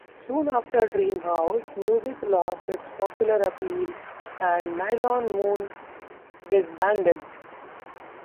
Soon after, dream house music lost its popular appeal and Nylon Moon disbanded.